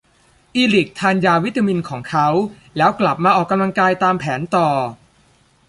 อีริคทานยาวิตามินของเขา แล้วกลับมาออกกำลังกายตามแผนต่อ